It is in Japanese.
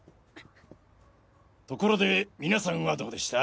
ところで皆さんはどうでした？